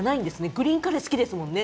グリーンカレー好きですよね。